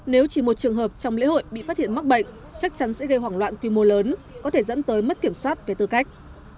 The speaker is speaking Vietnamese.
nếu chỉ một trường hợp trong lễ hội bị phát hiện mắc bệnh chắc chắn sẽ gây hoảng loạn quy mô lớn có thể dẫn tới mất kiểm soát về tư cách